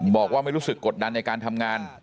บอกว่าไม่รู้สึกกดดันในการทำงาน